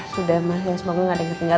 sudah mana semoga tidak ada yang tertinggal